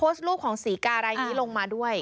รูปของศรีการายนี้ลงมาด้วย